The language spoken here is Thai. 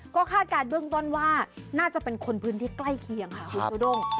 ก็คาดการณ์เบื้องต้นว่าน่าจะเป็นคนพื้นที่ใกล้เคียงค่ะคุณจูด้ง